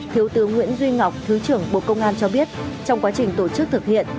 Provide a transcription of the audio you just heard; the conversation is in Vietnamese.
thiếu tướng nguyễn duy ngọc thứ trưởng bộ công an cho biết trong quá trình tổ chức thực hiện